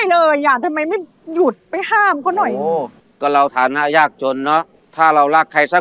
โอ้ยเราก็รู้ไหมทำไมเขาจะบอกรักเราสักทีเนอะ